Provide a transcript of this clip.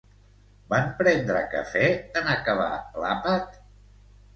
Van prendre cafè en acabar l'àpat?